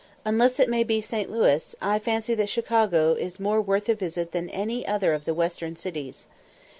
Unless it may be St. Louis, I fancy that Chicago is more worth a visit than any other of the western cities.